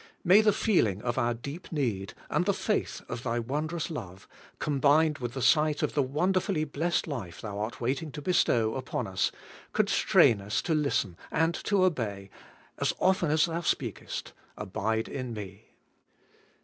May the feeling of our deep need, and the faith of Thy wondrous love, combined with the sight of the ALL YE WHO HAVE COME TO HIM. 19 wonderfully blessed life Thou art waiting to bestow upon us, constrain us to 'listen and to obey, as often as Thou speakest: 'Abide in me.'